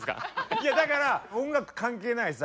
いやだから音楽関係ないさ。